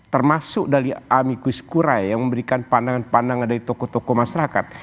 termasuk dari ami kuis kurai yang memberikan pandangan pandangan dari tokoh tokoh masyarakat